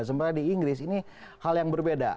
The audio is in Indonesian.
sebenarnya di inggris ini hal yang berbeda